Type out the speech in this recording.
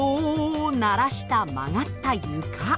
鳴らした曲がった床。